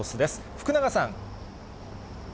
福永さん。